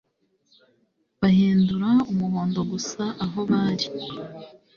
Bahindura umuhondo gusa aho bari